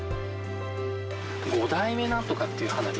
５代目なんとかっていう花火。